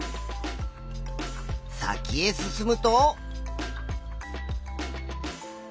先へ進むと。